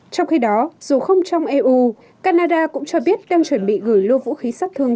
trong khi đó dù không trong eu canada cũng cho biết đang chuẩn bị gửi lô vũ khí sát thương